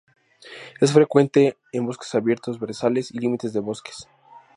Es frecuente en bosques abiertos, brezales y límites de bosques.